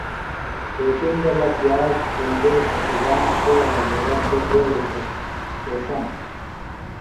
بیتِنگلہ، پِیاز بینڈے پٹِگان شوؤہ وغیرہ بےۡ بیرݜہ ݜوݜانہ۔